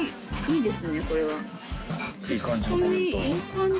いい感じのコメント。